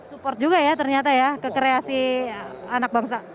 support juga ya ternyata ya ke kreasi anak bangsa